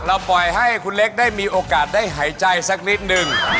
ปล่อยให้คุณเล็กได้มีโอกาสได้หายใจสักนิดนึง